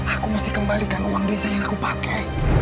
aku mesti kembalikan uang desa yang aku pakai